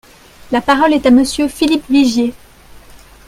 La parole est à Monsieur Philippe Vigier.